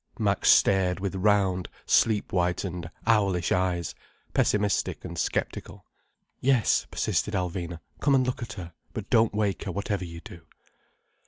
Max stared with round, sleep whitened, owlish eyes, pessimistic and sceptical: "Yes," persisted Alvina. "Come and look at her. But don't wake her, whatever you do."